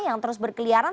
yang terus berkeliaran